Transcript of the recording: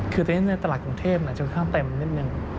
คือตรงนี้ในตลาดกรุงเทพฯอาจจะเป็นข้างเต็มนิดนึง